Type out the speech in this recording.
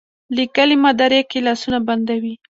لیکلي مدارک یې لاسونه بندوي.